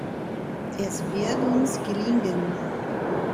Es wird uns gelingen.